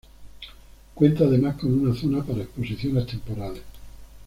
Cuenta además con una zona para exposiciones temporales.